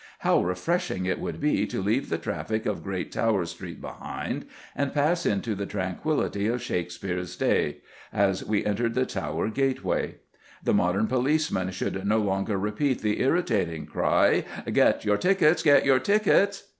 How refreshing it would be to leave the traffic of Great Tower Street behind and pass into the tranquillity of Shakespeare's day, as we entered the Tower gateway. The modern policeman should no longer repeat the irritating cry, "Get your tickets! Get your tickets!"